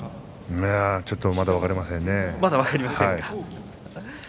ちょっとまだ分かりませんね。